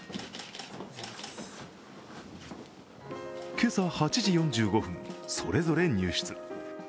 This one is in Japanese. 今朝８時４５分、それぞれ入室。